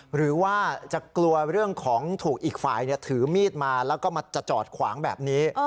หรือว่าจะกลัวเรื่องของถูกอีกฝ่ายถือมีดมาแล้วก็มาจะจอดขวางแบบนี้